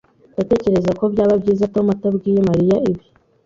Ndatekereza ko byaba byiza Tom atabwiye Mariya ibi.